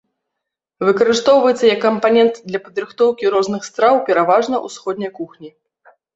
Выкарыстоўваецца як кампанент для падрыхтоўкі розных страў пераважна ўсходняй кухні.